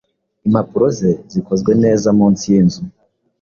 Impapuro ze zikozwe neza-munsi yinzu